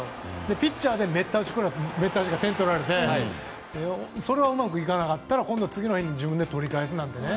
ピッチャーで滅多打ちで点を取られてそれがうまくいかなかったら今度は次の日に自分で取り返すなんてね。